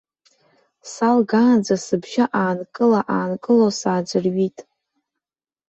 Салгаанӡа сыбжьы аанкыла-аанкыло сааӡырҩит.